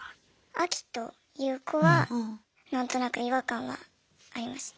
アキとユウコは何となく違和感はありました。